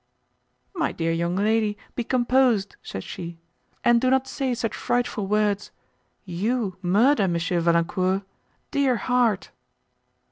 "My dear young lady, be composed," said she, "and do not say such frightful words. You murder M. Valancourt,—dear heart!"